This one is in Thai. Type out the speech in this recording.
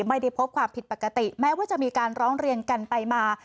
ไม่ได้พบความผิดปกติแม้ว่าจะมีการร้องเรียนกันไปมา